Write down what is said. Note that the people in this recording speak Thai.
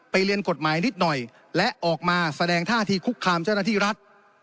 เรียนกฎหมายนิดหน่อยและออกมาแสดงท่าที่คุกคามเจ้าหน้าที่รัฐ